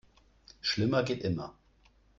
Schlimmer geht immer.